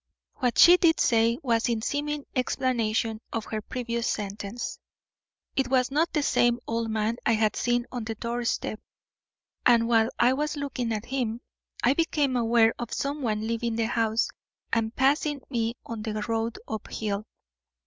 What she did say was in seeming explanation of her previous sentence. "It was not the same old man I had seen on the doorstep, and while I was looking at him I became aware of someone leaving the house and passing me on the road up hill.